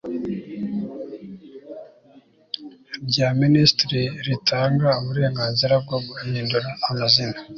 rya minisitiri ritanga uburenganzira bwo guhindura amazina